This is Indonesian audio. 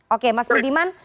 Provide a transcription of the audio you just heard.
oke mas budiman